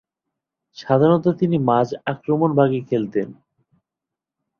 সাধারণত তিনি মাঝ-আক্রমনভাগে খেলতেন।